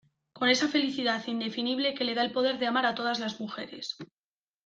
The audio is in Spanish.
con esa felicidad indefinible que da el poder amar a todas las mujeres.